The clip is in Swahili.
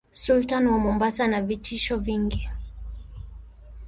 Sultan wa Mombasa anavitisho vingi